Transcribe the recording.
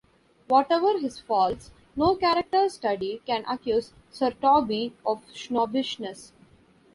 Whatever his faults, no character study can accuse Sir Toby of snobbishness.